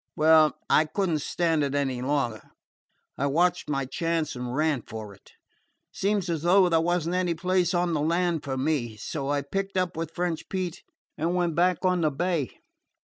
Well, I could n't stand it any longer; I watched my chance and ran for it. Seemed as though there was n't any place on the land for me, so I picked up with French Pete and went back on the bay.